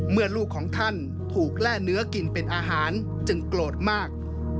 ลูกของท่านถูกแร่เนื้อกินเป็นอาหารจึงโกรธมาก